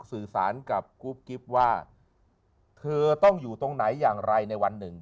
สื่อสารกับกุ๊บกิ๊บว่าเธอต้องอยู่ตรงไหนอย่างไรในวันหนึ่ง